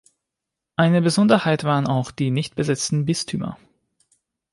Eine Besonderheit waren auch die nicht besetzten Bistümer.